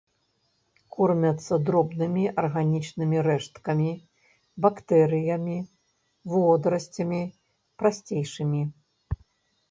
Кормяцца дробнымі арганічнымі рэшткамі, бактэрыямі, водарасцямі, прасцейшымі.